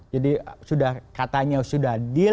jadi sudah katanya sudah deal